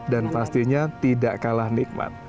dan pastinya tidak kalah nikmat